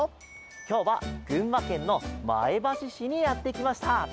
きょうはぐんまけんのまえばししにやってきました。